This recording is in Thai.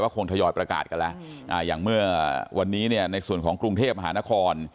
คงทยอยประกาศกันแล้วอย่างเมื่อวันนี้เนี่ยในส่วนของกรุงเทพมหานคร